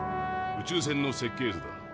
宇宙船の設計図だ。